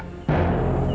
kamu harus berdua duaan